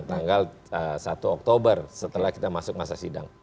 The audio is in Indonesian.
tanggal satu oktober setelah kita masuk masa sidang